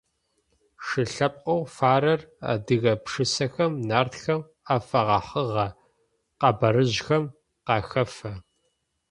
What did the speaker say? Шы лъэпкъэу фарэр адыгэ пшысэхэм, Нартхэм афэгъэхьыгъэ къэбарыжъхэм къахэфэ.